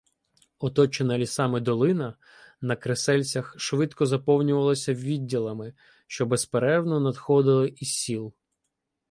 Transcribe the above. Оточена лісами долина на Кресельцях швидко заповнювалася відділами, що безперервно надходили із сіл.